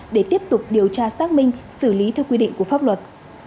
để tiếp tục điều tra xác minh xử lý theo quy định của pháp luật